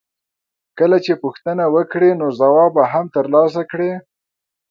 کله چې پوښتنه وکړې نو ځواب به هم ترلاسه کړې.